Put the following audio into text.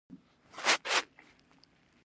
توجه قدر ونه کړه.